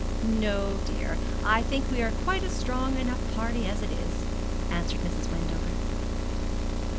'No, dear; I think we are quite a strong enough party as it is,' answered Mrs. Wendover.